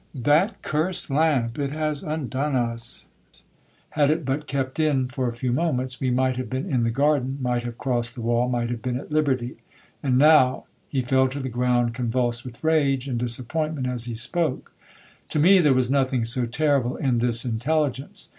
That cursed lamp, it has undone us! Had it but kept in for a few moments, we might have been in the garden, might have crossed the wall, might have been at liberty, and now—' He fell to the ground convulsed with rage and disappointment, as he spoke. To me there was nothing so terrible in this intelligence.